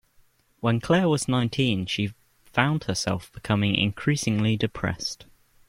When Claire was nineteen she found herself becoming increasingly depressed